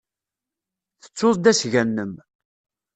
Tettud-d asga-nnem.